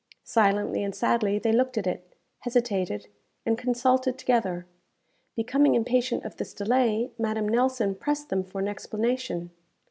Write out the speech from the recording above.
Silently and sadly they looked at it, hesitated, and consulted together. Becoming impatient of this delay, Madame Nelson pressed them for an explanation.